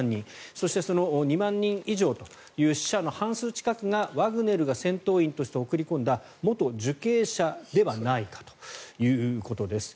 そして、その２万人以上という死者の半数近くがワグネルが戦闘員として送り込んだ元受刑者ではないかということです。